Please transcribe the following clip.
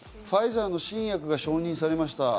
ファイザーの新薬が承認されました。